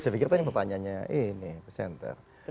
saya pikir tadi pertanyaannya ini presenter